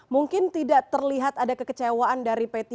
mungkin tidak terlihat ada kekecewaan dari p tiga